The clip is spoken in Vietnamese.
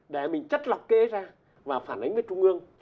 để mình chất lọc kế ra và phản ánh với trung ương